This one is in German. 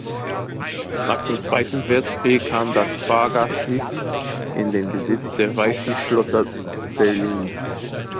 Nach dem Zweiten Weltkrieg kam das Fahrgastschiff in den Besitz der Weißen Flotte Berlin.